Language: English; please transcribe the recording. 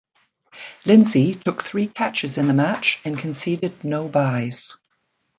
Lindsay took three catches in the match and conceded no byes.